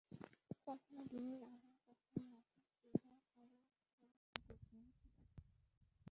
কখনো দিনের আলোয়, কখনো মাটির চুলার আলোয় পড়াশোনা করতে হয়েছে তাকে।